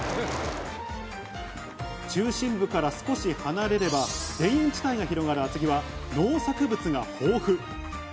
中心部から少し離れれば田園地帯が広がる厚木は農作物が豊富。